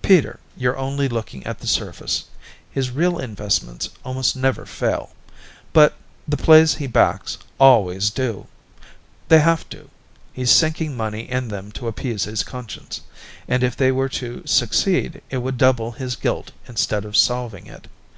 "Peter, you're only looking at the surface. His real investments almost never fail. But the plays he backs always do. They have to; he's sinking money in them to appease his conscience, and if they were to succeed it would double his guilt instead of salving it.